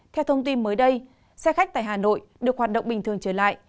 theo thông tin mới đây xe khách tại hà nội được hoạt động bình thường trở lại